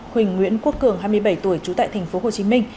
huỳnh nguyễn quốc cường hai mươi bảy tuổi trú tại thành phố hồ chí minh